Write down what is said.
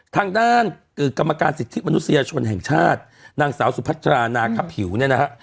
ทางด้านคือกรรมการสิทธิบรรทุกชนแห่งชาตินางสาวสุภัทรานาคับหิวเนี้ยนะฮะ